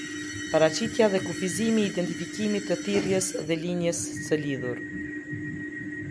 Paraqitja dhe kufizimi i identifikimit të thirrjes dhe linjës së lidhur.